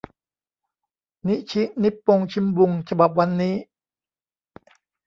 นิชินิปปงชิมบุง ฉบับวันนี้